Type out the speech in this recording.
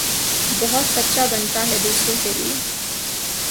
بہت سچا بنتا ھے دوسروں کے لئے